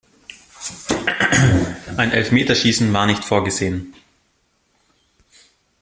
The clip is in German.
Ein Elfmeterschießen war nicht vorgesehen.